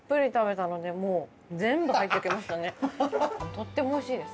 とってもおいしいです。